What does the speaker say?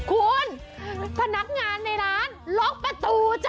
คุณพนักงานในร้านล็อกประตูจ้ะ